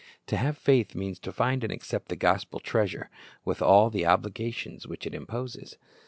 To have faith means to find and accept the gospel treasure, with all the obligations which it imposes.